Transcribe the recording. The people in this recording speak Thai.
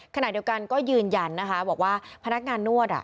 ขณะเดียวกันก็ยืนยันนะคะบอกว่าพนักงานนวด